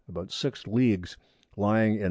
about 6 Leagues, lying in S.